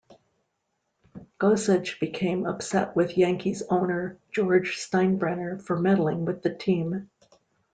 Gossage became upset with Yankees' owner George Steinbrenner for meddling with the team.